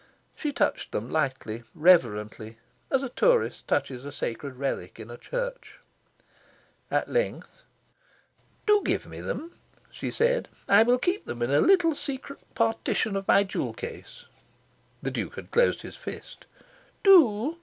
She touched them lightly, reverently, as a tourist touches a sacred relic in a church. At length, "Do give me them," she said. "I will keep them in a little secret partition of my jewel case." The Duke had closed his fist. "Do!"